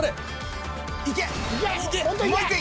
いけ！